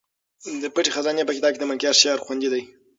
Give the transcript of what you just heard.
د پټې خزانې په کتاب کې د ملکیار شعر خوندي دی.